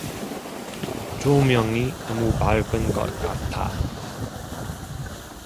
조명이 너무 밝은 것 같아.